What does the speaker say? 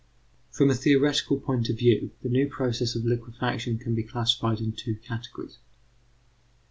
From a theoretical point of view the new processes of liquefaction can be classed in two categories.